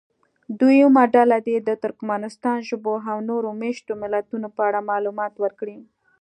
دویمه ډله دې د ترکمنستان ژبو او نورو مېشتو ملیتونو په اړه معلومات ورکړي.